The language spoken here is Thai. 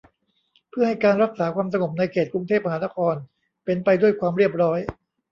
เพื่อให้การรักษาความสงบในเขตกรุงเทพมหานครเป็นไปด้วยความเรียบร้อย